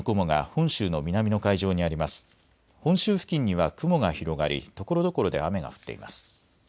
本州付近には雲が広がりところどころで雨が降っています。